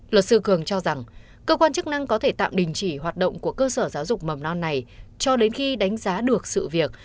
luật sư cường cho rằng cơ quan chức năng có thể tạm đình chỉ hoạt động của cơ sở giáo dục mầm non này cho đến khi đánh giá được sự việc